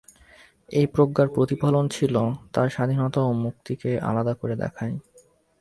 এই প্রজ্ঞার প্রতিফলন ছিল তাঁর স্বাধীনতা ও মুক্তিকে আলাদা করে দেখায়।